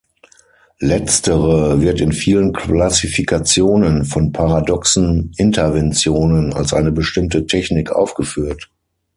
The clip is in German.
Letztere wird in vielen Klassifikationen von paradoxen "Interventionen" als eine bestimmte Technik aufgeführt.